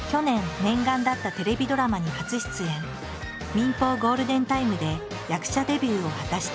民放ゴールデンタイムで役者デビューを果たした。